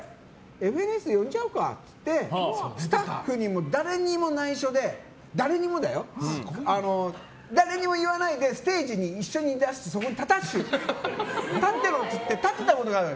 「ＦＮＳ」呼んじゃうかといってスタッフにも誰にも内緒で誰にも言わないでステージに一緒に出して立ってろって言って立ってたことがある。